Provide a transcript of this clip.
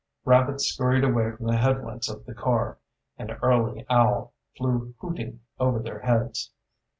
Rabbits scurried away from the headlights of the car, an early owl flew hooting over their heads.